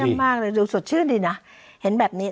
มากเลยดูสดชื่นดีนะเห็นแบบนี้